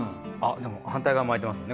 でも反対側も開いてますね